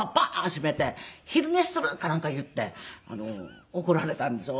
閉めて「昼寝する」かなんか言って怒られたんですよ。